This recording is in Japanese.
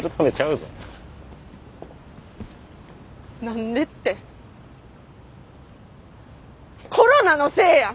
何でってコロナのせいや！